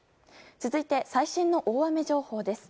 続いて最新の大雨情報です。